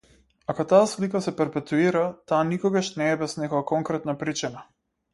Ако таа слика се перпетуира, таа никогаш не е без некоја конкретна причина.